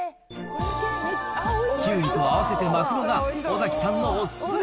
キュウリと合わせて巻くのが、尾崎さんのお勧め。